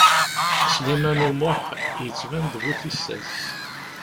Sliman U Muḥ yettban d bu tissas.